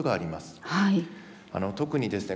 特にですね